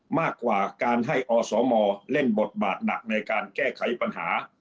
มากกว่าการให้อสมเล่นบทบาทหนักในการแก้ไขปัญหา